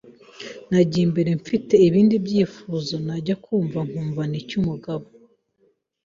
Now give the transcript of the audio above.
nayigera imbere mfite ibindi byifuzo, najya kumva nkumva n’icyumugabo